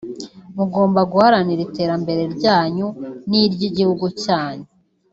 mugomba guharanira iterambere ryanyu n’iry’igihugu cyanyu”